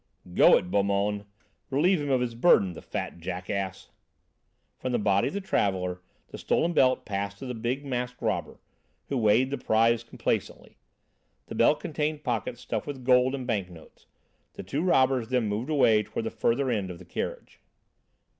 "Go it, Beaumôme, relieve him of his burden, the fat jackass!" From the body of the traveller, the stolen belt passed to the big masked robber, who weighed the prize complacently. The belt contained pockets stuffed with gold and bank notes. The two robbers then moved away toward the further end of the carriage.